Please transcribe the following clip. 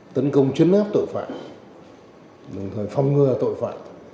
tấn công chấn áp tội phạm đồng thời phong ngừa tội phạm